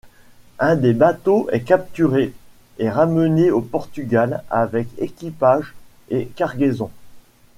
Un des bateaux est capturé et ramené au Portugal avec équipage et cargaison.